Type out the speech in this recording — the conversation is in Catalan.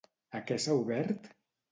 A què s'ha obert?